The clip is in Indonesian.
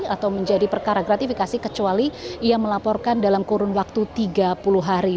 atau menjadi perkara gratifikasi kecuali ia melaporkan dalam kurun waktu tiga puluh hari